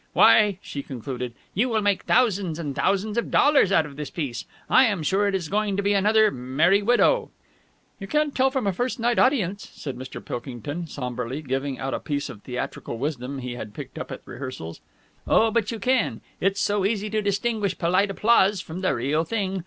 "Why," she concluded, "you will make thousands and thousands of dollars out of this piece. I am sure it is going to be another 'Merry Widow.'" "You can't tell from a first night audience," said Mr. Pilkington sombrely, giving out a piece of theatrical wisdom he had picked up at rehearsals. "Oh, but you can. It's so easy to distinguish polite applause from the real thing.